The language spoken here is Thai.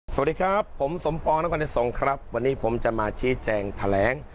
สวัสดีครับผมสมปองนครนิสงครับวันนี้ผมจะมาชี้แจงแถลง